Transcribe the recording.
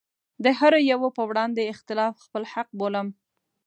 د هره يوه په وړاندې اختلاف خپل حق بولم.